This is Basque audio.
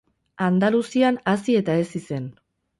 Andaluzian hazi eta hezi zen.